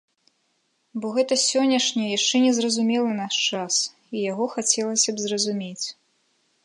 Бо гэта сённяшні, яшчэ незразумелы наш час, і яго хацелася б зразумець.